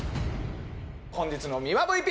本日のミワＶＰ！